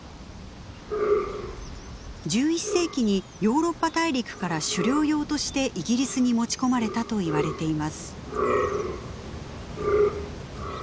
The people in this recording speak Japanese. １１世紀にヨーロッパ大陸から狩猟用としてイギリスに持ち込まれたと言われています。